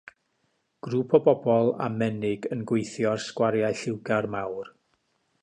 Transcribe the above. Grŵp o bobl â menig yn gweithio ar sgwariau lliwgar mawr.